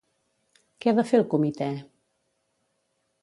Què ha de fer el comitè?